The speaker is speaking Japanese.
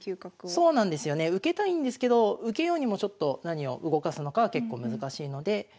そうなんですよね受けたいんですけど受けようにもちょっと何を動かすのかは結構難しいので。